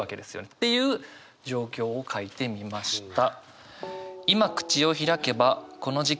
っていう状況を書いてみました。